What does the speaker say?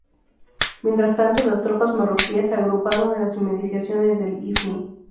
Mientras tanto, las tropas marroquíes se agruparon en las inmediaciones de Ifni.